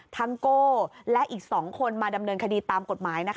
ทั้งโก้และอีกสองคนมาดำเนินคดีตามกฎหมายนะคะ